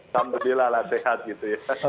alhamdulillah lah sehat gitu ya